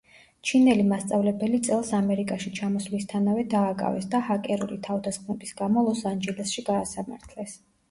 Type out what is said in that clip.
ჩინელი მასწავლებელი წელს ამერიკაში ჩამოსვლისთანავე დააკავეს და ჰაკერული თავდასხმების გამო, ლოს-ანჯელესში გაასამართლეს.